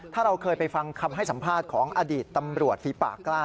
ถ้าเราเคยไปฟังคำให้สัมภาษณ์ของอดีตตำรวจฝีปากกล้า